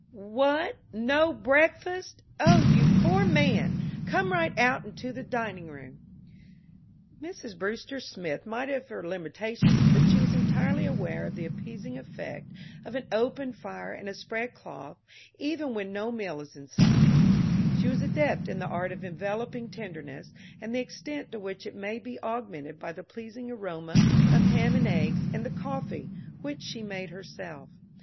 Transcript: "What, no breakfast! Oh, you poor man! Come right out into the dining room." Mrs. Brewster Smith might have her limitations, but she was entirely aware of the appeasing effect of an open fire and a spread cloth even when no meal is in sight; she was adept in the art of enveloping tenderness and the extent to which it may be augmented by the pleasing aroma of ham and eggs and the coffee which she made herself.